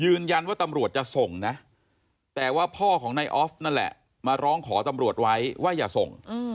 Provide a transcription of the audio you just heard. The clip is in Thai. ตำรวจจะส่งนะแต่ว่าพ่อของนายออฟนั่นแหละมาร้องขอตำรวจไว้ว่าอย่าส่ง